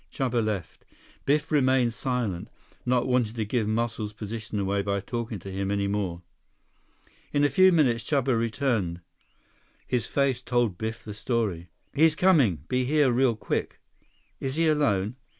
Chuba left. Biff remained silent, not wanting to give Muscles' position away by talking to him any more. In a few minutes Chuba returned. His face told Biff the story. "He's coming. Be here real quick." "Is he alone?"